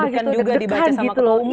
deg degan juga dibaca sama ketua omong gitu ya